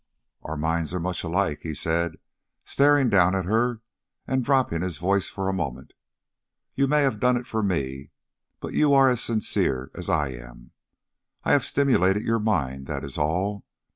"Our minds are much alike," he said, staring down at her and dropping his voice for a moment. "You may have done it for me, but you are as sincere as I am. I have stimulated your mind, that is all.